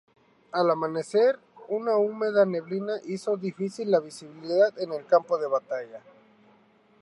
Al amanecer, una húmeda neblina hizo difícil la visibilidad en el campo de batalla.